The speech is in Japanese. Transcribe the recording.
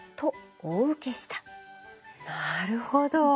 なるほど！